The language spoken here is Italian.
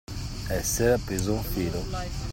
Essere appeso a un filo.